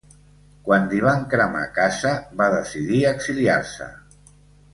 Quan li van cremar casa, va decidir exiliar-se.